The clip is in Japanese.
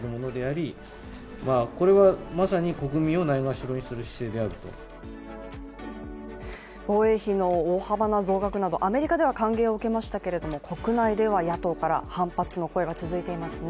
その姿勢に、野党側は防衛費の大幅な増額などアメリカでは歓迎を受けましたけど国内では野党から反発の声が続いていますね。